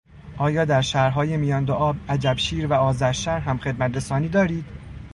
آیا در شهرهای میاندوآب، عجبشیر و آذرشهر هم خدمترسانی دارید؟